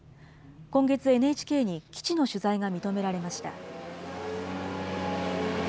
今月、ＮＨＫに基地の取材が認められました。